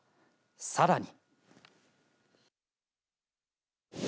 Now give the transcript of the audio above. さらに。